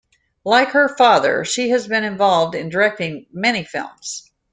Like her father, she has been involved in directing many films.